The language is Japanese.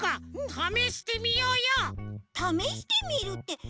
ためしてみるってどうやって？